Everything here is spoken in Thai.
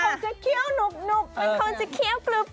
มันควรจะเคี้ยวหนุบมันควรจะเคี้ยวกลุบ